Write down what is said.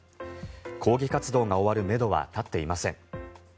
抗議活動が終わるめどは立っていません。